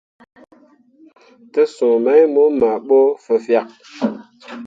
Te suu mai mo maa ɓo fẽefyak.